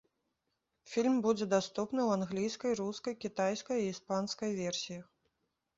Фільм будзе даступны ў англійскай, рускай, кітайскай і іспанскай версіях.